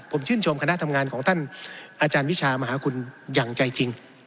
ผมชื่นชมคณะทำงานของต้านอวิมาหาขุลอย่างใจจริง